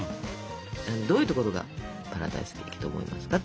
どういうところがパラダイスケーキと思いますか？